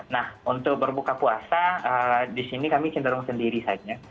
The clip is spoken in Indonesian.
nah untuk berbuka puasa di sini kami cenderung sendiri saja